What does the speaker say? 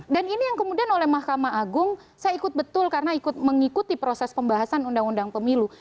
dan ini yang kemudian oleh mahkamah agung saya ikut betul karena mengikuti proses pembahasan undang undang pemilu